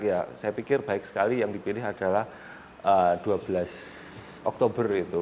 ya saya pikir baik sekali yang dipilih adalah dua belas oktober itu